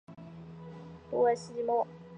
布瓦西莫吉。